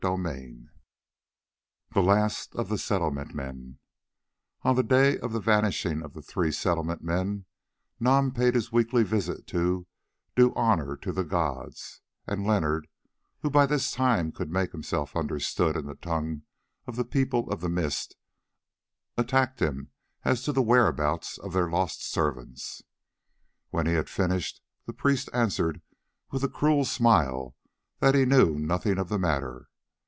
Chapter XXVI. THE LAST OF THE SETTLEMENT MEN On that day of the vanishing of the three Settlement men, Nam paid his weekly visit to "do honour to the gods," and Leonard, who by this time could make himself understood in the tongue of the People of the Mist, attacked him as to the whereabouts of their lost servants. When he had finished, the priest answered with a cruel smile that he knew nothing of the matter.